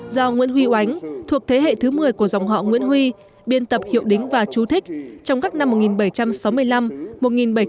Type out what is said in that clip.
do nguyễn huy oánh thuộc thế hệ thứ một mươi của dòng họ nguyễn huy biên tập hiệu đính và chú thích trong các năm một nghìn bảy trăm sáu mươi năm một nghìn bảy trăm linh